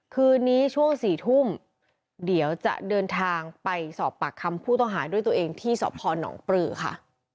คืนนี้ช่วง๔ทุ่มเดี๋ยวจะเดินทางไปสอบปากคำผู้ต้องหาด้วยตัวเองที่สพนปลือค่ะ